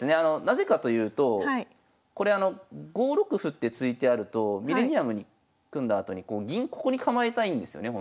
なぜかというとこれ５六歩って突いてあるとミレニアムに組んだあとに銀ここに構えたいんですよね